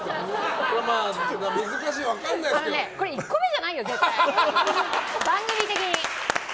これ、１個目じゃないよ。